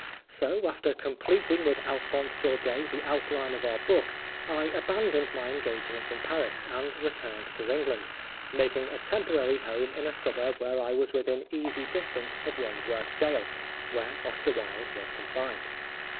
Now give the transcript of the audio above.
So, after completing with Alphonse Daudet the out line of our book, I abandoned my engage ments in Paris, and returned to England, making a temporary home in a suburb where I was within easy distance of Wandsworth Gaol, where Oscar Wilde was confined.